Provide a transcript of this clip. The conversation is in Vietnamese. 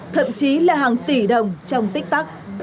thậm chí là hàng tỷ đồng trong tích tắc